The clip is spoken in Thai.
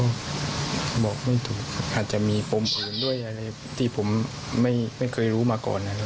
ก็บอกไม่ถูกอาจจะมีปมอื่นด้วยอะไรที่ผมไม่เคยรู้มาก่อนนะครับ